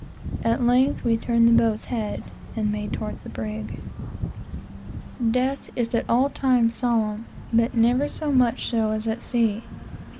At length we turned the boat's head and made towards the vessel. Death is at all times solemn, but never so much so as at sea.